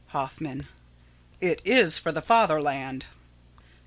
Hoffman: It is for the fatherland.